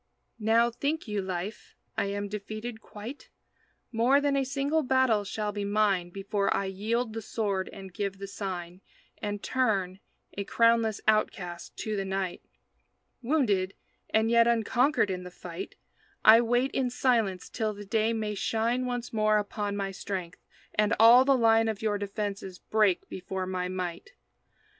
Now, think you, Life, I am defeated quite? More than a single battle shall be mine Before I yield the sword and give the sign And turn, a crownless outcast, to the night. Wounded, and yet unconquered in the fight, I wait in silence till the day may shine Once more upon my strength, and all the line Of your defenses break before my might.